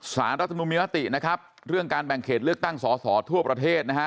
รัฐมนุนมีมตินะครับเรื่องการแบ่งเขตเลือกตั้งสอสอทั่วประเทศนะฮะ